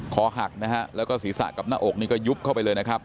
คอหักนะฮะแล้วก็ศีรษะกับหน้าอกนี้ก็ยุบเข้าไปเลยนะครับ